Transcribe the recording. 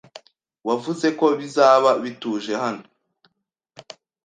Wavuze ko bizaba bituje hano.